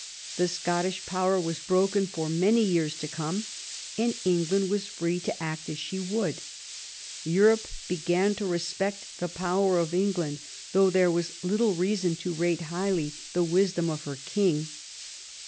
The Scottish power was broken for many years to come, and England was free to act as she would. Europe began to respect the power of England, though there was little reason to rate highly the wisdom of her II THE FRENCH ALLIANCE 27 king.